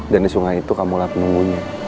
dan di sungai itu kamu melihat menunggunya